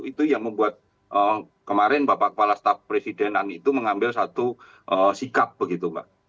itu yang membuat kemarin bapak kepala staf presidenan itu mengambil satu sikap begitu mbak